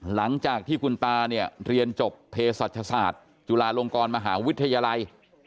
หลังจากที่คุณตาเนี่ยเรียนจบเพศรัชศาสตร์จุฬาลงกรมหาวิทยาลัย